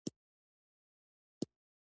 صلہ رحمي وکړئ